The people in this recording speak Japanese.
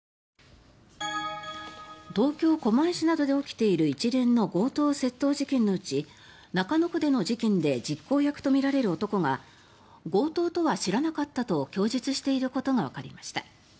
東京・狛江市などで起きている一連の強盗・窃盗事件のうち中野区での事件で実行役とみられる男が強盗とは知らなかったと供述していることがわかりました。